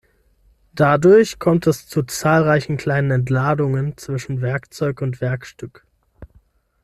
Dadurch kommt es zu zahlreichen kleinen Entladungen zwischen Werkzeug und Werkstück.